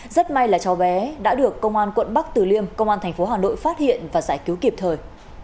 rất may là cháu bé đã được công an quận bắc từ liêm công an thành phố hà nội phát hiện và giải cứu kịp thời